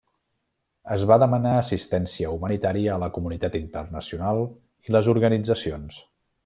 Es va demanar assistència humanitària a la comunitat internacional i les organitzacions.